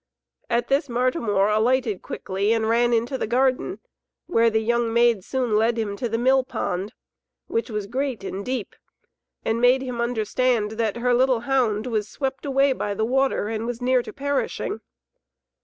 At this Martimor alighted quickly and ran into the garden, where the young maid soon led him to the millpond, which was great and deep, and made him understand that her little hound was swept away by the water and was near to perishing.